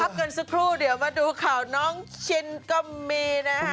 กันสักครู่เดี๋ยวมาดูข่าวน้องชินก็มีนะฮะ